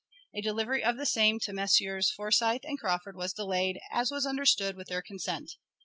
A delivery of the same to Messrs. Forsyth and Crawford was delayed, as was understood, with their consent.